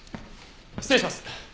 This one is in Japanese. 失礼します。